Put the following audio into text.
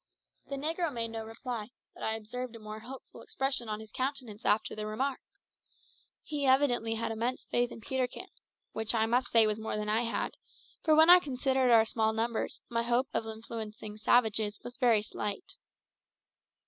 The negro made no reply, but I observed a more hopeful expression on his countenance after the remark. He evidently had immense faith in Peterkin; which I must say was more than I had, for when I considered our small numbers, my hope of influencing savages was very slight.